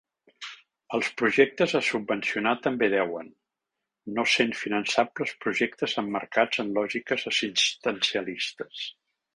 Els projectes a subvencionar també deuen, no sent finançables projectes emmarcats en lògiques assistencialistes.